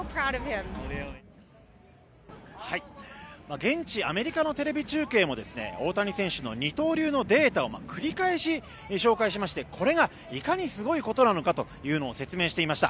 現地アメリカのテレビ中継も大谷選手の二刀流のデータを繰り返し紹介しましてこれがいかにすごいことなのかというのを説明していました。